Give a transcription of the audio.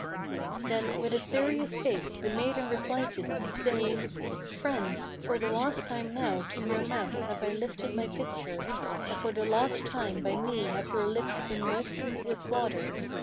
Then with a serious face the maiden replied to them, saying: "Friends, for the last time now to your mouth have I lifted my pitcher; And for the last time by me have your lips been moistened with water.